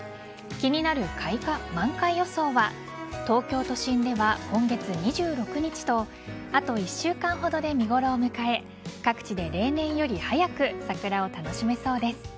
気になる満開予想は東京都心では今月２６日とあと１週間ほどで見頃を迎え各地で例年より早く桜を楽しめそうです。